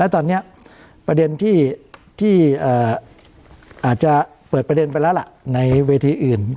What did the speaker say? ตอนนี้ประเด็นที่อาจจะเปิดไปล่ะละในเวที่อื่น